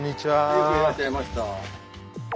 よくいらっしゃいました。